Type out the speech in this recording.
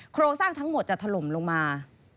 โครงสร้างทั้งหมดจะถล่มลงมา